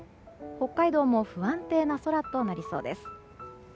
北海道も不安定な空となりそうです。